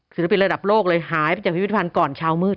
ศิลปินระดับโลกเลยหายไปจากพิพิธภัณฑ์ก่อนเช้ามืด